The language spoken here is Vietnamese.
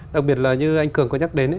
đặc biệt là như anh cường có nhắc đến